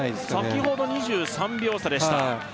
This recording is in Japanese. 先ほど２３秒差でした